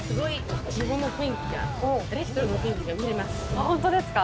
あっホントですか？